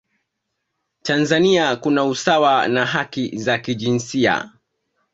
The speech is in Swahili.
tanzania kuna usawa na haki za kijinsia